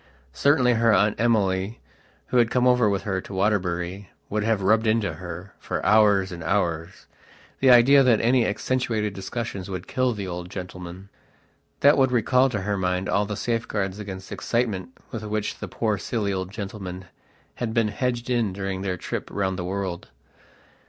Certainly her Aunt Emily, who had come over with her to Waterbury, would have rubbed into her, for hours and hours, the idea that any accentuated discussions would kill the old gentleman. That would recall to her mind all the safeguards against excitement with which the poor silly old gentleman had been hedged in during their trip round the world.